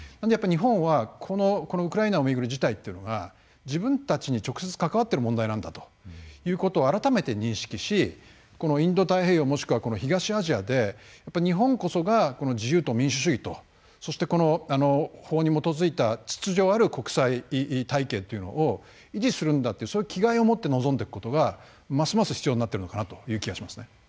日本はこのウクライナをめぐる事態というのが自分たちに直接関わっている問題なんだということを改めて認識しこのインド太平洋もしくは東アジアで日本こそが自由と民主主義とそして法に基づいた秩序ある国際体系というのを維持するんだっていうそういう気概をもって臨んでいくことがますます必要になっているのかなという気がしますね。